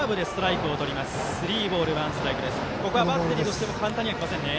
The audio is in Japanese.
バッテリーとしても簡単にはきませんね。